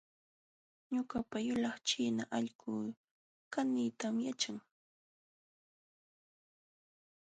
Ñuqapa yulaq china allquu kaniytam yaćhan